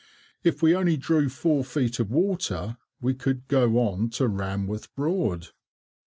"If we only drew four feet of water, we could go on to Ranworth Broad."